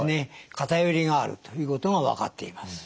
偏りがあるということが分かっています。